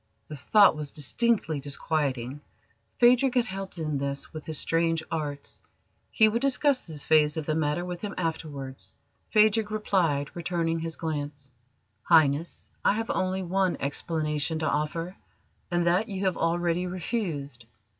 The thought was distinctly disquieting. Phadrig had helped in this with his strange arts. He would discuss this phase of the matter with him afterwards. Phadrig replied, returning his glance: "Highness, I have only one explanation to offer, and that you have already refused.